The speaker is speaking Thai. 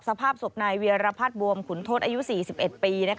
สภาพศพนายเวียรพัฒน์บวมขุนทศอายุ๔๑ปี